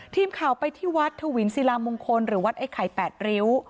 ทีมข่าวไปที่วัดทวินศิลามงคลหรือวัดไอ้ไข่๘ริ้ว